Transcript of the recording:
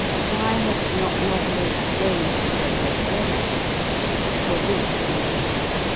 Why have not novelists raised the protest earlier? For this reason.